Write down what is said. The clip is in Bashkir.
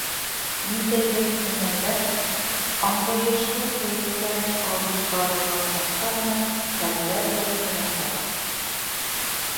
Ниндәйҙер кимәлдә аңлайышлы сәйәсәт алып барылған саҡта ғына хәлдәр яҡшырасаҡ.